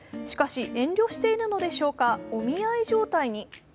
しかし、遠慮しているのでしょうかお見合い状態に。